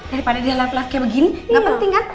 daripada dia laf laf kayak begini gak penting kan